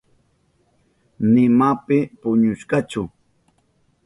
Nima pi puñushkachu.